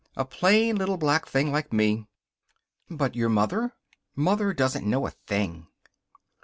A plain little black thing like me." "But your mother " "Mother doesn't know a thing."